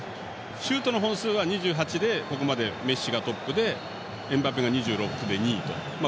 シュートの本数は２８でここまでメッシがトップでエムバペが２６で２位と。